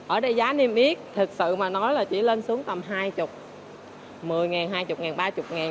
ở đây giá niêm yết thực sự mà nói là chỉ lên xuống tầm hai mươi một mươi ngàn hai mươi ngàn ba mươi ngàn